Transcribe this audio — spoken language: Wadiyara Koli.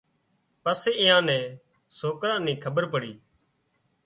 پسي اين نان سوڪران نين کٻير پڙي